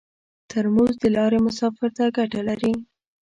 ترموز د لارې مسافر ته ګټه لري.